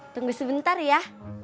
tunggu sebentar ya